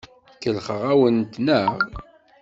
Kellxeɣ-awent, naɣ?